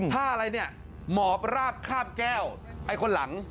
ถ้าอะไรเนี่ยหมอบราบคาบแก้วไอ้คนหลัง